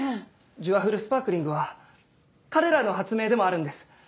「ジュワフルスパークリング」は彼らの発明でもあるんです。